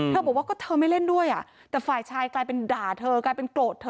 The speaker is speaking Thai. บอกว่าก็เธอไม่เล่นด้วยอ่ะแต่ฝ่ายชายกลายเป็นด่าเธอกลายเป็นโกรธเธอ